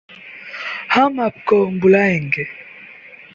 हम आपको बुलाएँगे।